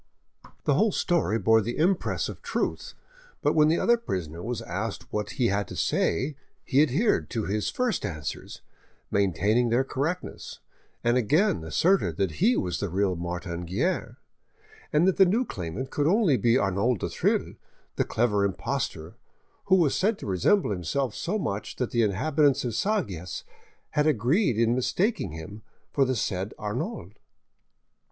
The whole story bore the impress of truth, but when the other prisoner was asked what he had to say he adhered to his first answers, maintaining their correctness, and again asserted that he was the real Martin Guerre, and that the new claimant could only be Arnauld du Thill, the clever impostor, who was said to resemble himself so much that the inhabitants of Sagias had agreed in mistaking him for the said Arnauld.